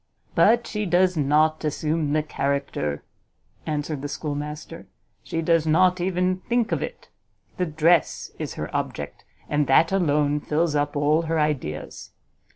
"But she does not assume the character," answered the schoolmaster, "she does not even think of it: the dress is her object, and that alone fills up all her ideas.